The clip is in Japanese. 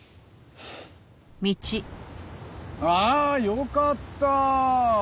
ああよかった。